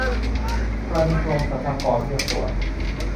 กรณีกรมสรรพากรเรียกตรวจ